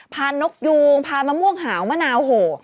นกยูงพามะม่วงหาวมะนาวโห